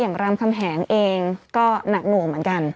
รามคำแหงเองก็หนักหน่วงเหมือนกัน